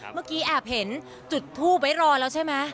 เมื่อกี้แอบเห็นจุดทูบไว้รอแล้วใช่ไหม